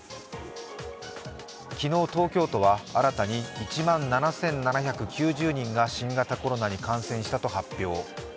昨日、東京都は新たに１万７７９０人が新型コロナに感染したと発表。